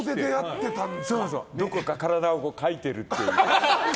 どこか体をかいてるっていう。